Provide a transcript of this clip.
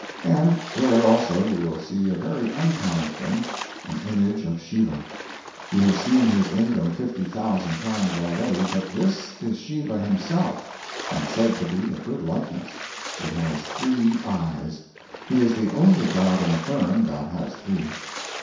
And there also you will see a very uncommon thing an image of Shiva. You have seen his lingam fifty thousand times already, but this is Shiva himself, and said to be a good likeness. It has three eyes. He is the only god in the firm that has three.